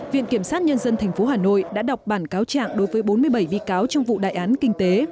viện kiểm sát nhân dân tp hà nội đã đọc bản cáo trạng đối với bốn mươi bảy bị cáo trong vụ đại án kinh tế